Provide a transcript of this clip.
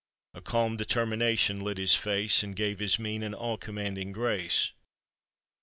A calm determination lit his face, And gave his mien an awe commanding grace; 430 APPENDIX.